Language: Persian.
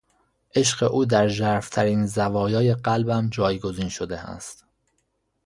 عشق او در ژرفترین زوایای قلبم جایگزین شده است.